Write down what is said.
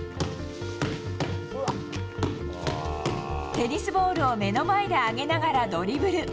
テニスボールを目の前で上げながらドリブル。